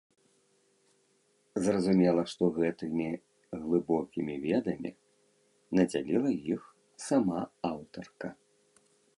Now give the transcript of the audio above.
Зразумела, што гэтымі глыбокімі ведамі надзяліла іх сама аўтарка.